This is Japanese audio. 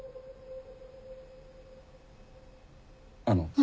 あの。